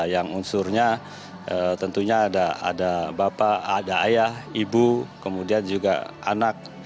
yang unsurnya tentunya ada bapak ada ayah ibu kemudian juga anak